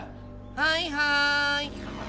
はいはい！